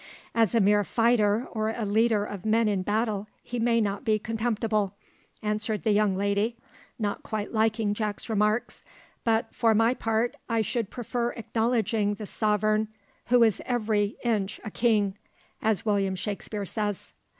"As a mere fighter or a leader of men in battle, he may not be contemptible," answered the young lady, not quite liking Jack's remarks; "but, for my part, I should prefer acknowledging the sovereign `who is every inch a king,' as William Shakspeare says."